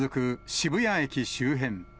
渋谷駅周辺。